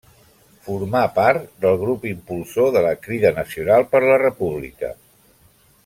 Formà part del grup impulsor de la Crida Nacional per la República.